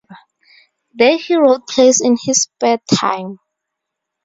There he wrote plays in his spare time.